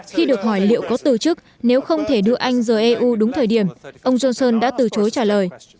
khi được hỏi liệu có từ chức nếu không thể đưa anh rời eu đúng thời điểm ông johnson đã từ chối trả lời